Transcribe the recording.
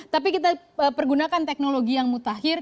tapi kita pergunakan teknologi yang mutakhir